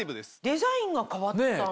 デザインが変わったの？